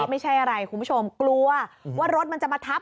ไม่ใช่อะไรคุณผู้ชมกลัวว่ารถมันจะมาทับ